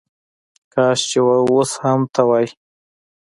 کاش چې وس هم ته وای